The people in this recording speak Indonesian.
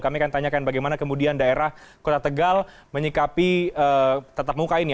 kami akan tanyakan bagaimana kemudian daerah kota tegal menyikapi tetap muka ini